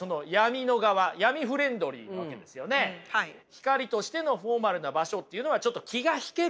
光としてのフォーマルな場所っていうのはちょっと気が引けると。